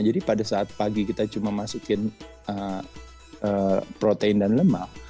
jadi pada saat pagi kita cuma masukin protein dan lemak